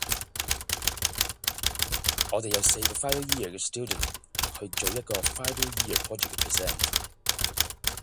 我哋有四個 final year 嘅 student 去做一個 final year project 嘅 present